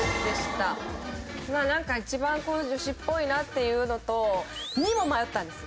まあなんか一番女子っぽいなっていうのと２も迷ったんです。